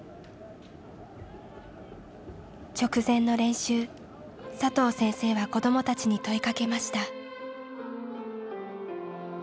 直前の練習佐藤先生は子どもたちに問いかけました。